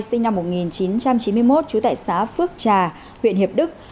sinh năm một nghìn chín trăm chín mươi một trú tại xã phước trà huyện hiệp đức